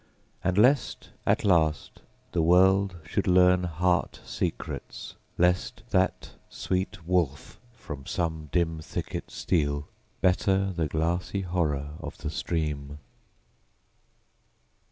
And lest, at last, the world should learn heart secrets; Lest that sweet wolf from some dim thicket steal; Better the glassy horror of the stream.